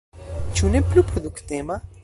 Ĉu ne plu produktema?